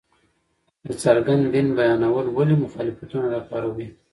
د څرګند دين بيانول ولې مخالفتونه راپاروي!؟